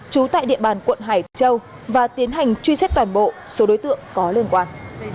trú tại địa bàn quận hải châu và tiến hành truy xét toàn bộ số đối tượng có liên quan